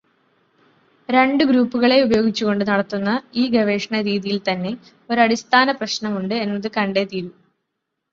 രണ്ടു ഗ്രൂപ്പുകളെ ഉപയോഗിച്ചുകൊണ്ട് നടത്തുന്ന ഈ ഗവേഷണരീതിയിൽത്തന്നെ ഒരു അടിസ്ഥാനപ്രശ്നമുണ്ട് എന്നത് കണ്ടേ തീരൂ.